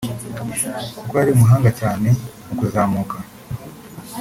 kuko ari umuhanga cyane mu kuzamuka